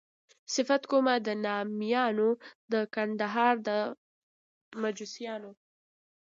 صفت کومه د نامیانو د کندهار د محبسیانو.